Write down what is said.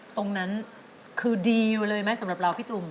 ตรงนั้นคือดีเลยไหมสำหรับเราพี่ตุ่ม